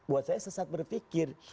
buat saya sesat berpikir